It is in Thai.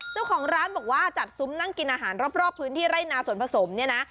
เจ้าของร้านบอกว่าจัดซุ้มนั่งกินอาหารรอบพื้นที่ไร่นาส่วนผสมเนี่ยนะ